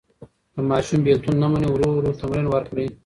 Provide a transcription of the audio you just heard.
که ماشوم بېلتون نه مني، ورو ورو تمرین ورکړئ.